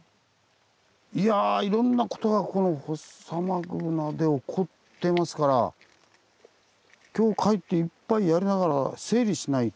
いやいろんなことがこのフォッサマグナで起こってますから今日帰って一杯やりながら整理しないと。